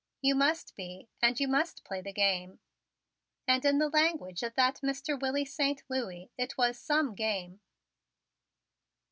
You must be and you must play the game." And in the language of that Mr. Willie Saint Louis, it was "some game."